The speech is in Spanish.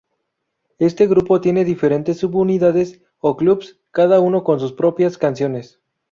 Este grupo tiene diferentes subunidades o clubs, cada uno con sus propias canciones.